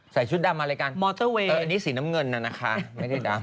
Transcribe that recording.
ใส่ชุดดำมาเลยกันอันนี้สีน้ำเงินน่ะนะคะไม่ได้ดำ